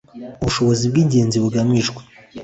ubushobozi bw’ingenzi bugamijwe: